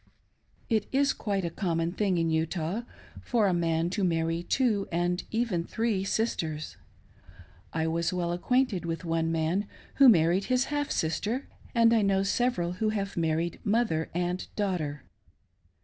It is quite a conynon thing in Utah for a man to marry two and even three sisters. I was well acquainted with one man who married his half sister; and I know several who have married mother and daughter.